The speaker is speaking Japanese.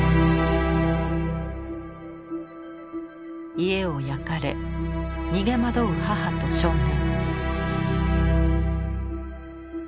家を焼かれ逃げ惑う母と少年。